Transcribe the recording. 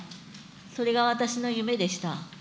それが私の夢でした。